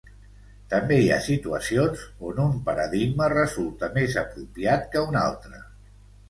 També hi ha situacions on un paradigma resulta més apropiat que un altre.